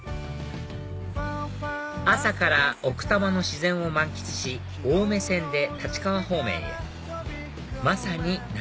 朝から奥多摩の自然を満喫し青梅線で立川方面へまさに夏